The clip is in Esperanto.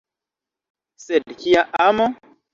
Sed kia amo?